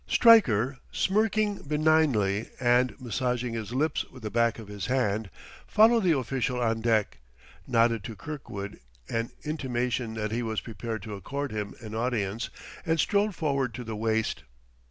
Stryker, smirking benignly and massaging his lips with the back of his hand, followed the official on deck, nodded to Kirkwood an intimation that he was prepared to accord him an audience, and strolled forward to the waist.